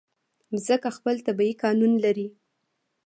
مځکه خپل طبیعي قانون لري.